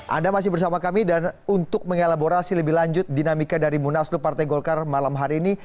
anda masih bersama kami dan untuk mengelaborasi lebih lanjut dinamika dari munaslup partai golkar malam hari ini